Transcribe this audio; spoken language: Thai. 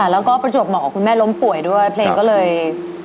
ค่ะแล้วก็ประจวกหมอกของคุณแม่ล้มป่วยด้วยเพลงก็เลยจั้น